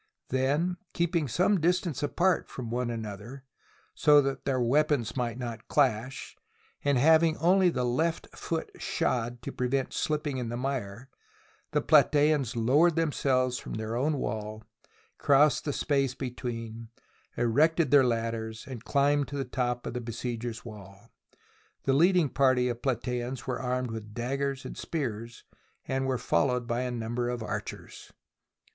Then, keeping some distance [53.1 THE BOOK OF FAMOUS SIEGES apart from one another so that their weapons might not clash, and having only the left foot shod to pre vent slipping in the mire, the Platamns lowered themselves from their own wall, crossed the space between, erected their ladders, and climbed to the top of the besiegers' wall. The leading party of Plataeans were armed with daggers and spears, and were followed by a number of archers.